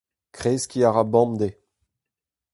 Kreskiñ a ra bemdez.